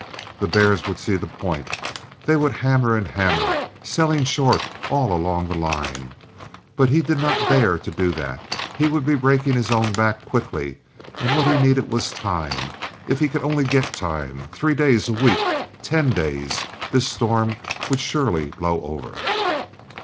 The bears would see the point. They would hammer and hammer, selling short all along the line. But he did not dare to do that. He would be breaking his own back quickly, and what he needed was time. If he could only get time—three days, a week, ten days—this storm would surely blow over.